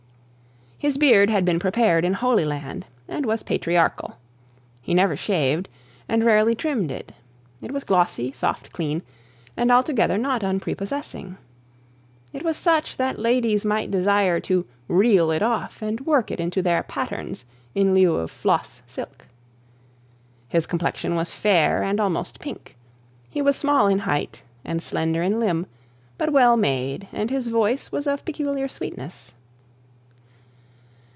His beard had been prepared in the holy land, and was patriarchal. He never shaved, and rarely trimmed it. It was glossy, soft, clean, and altogether not unprepossessing. It was such that ladies might desire to reel it off and work it into their patterns in lieu of floss silk. His complexion was fair and almost pink, he was small in height, and slender in limb, but well made, and his voice was of particular sweetness.